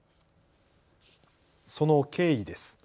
その経緯です。